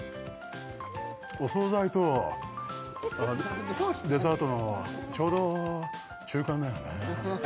お総菜とデザートのちょうど中間だよね